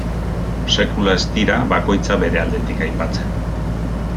Sekula ez dira bakoitza bere aldetik aipatzen.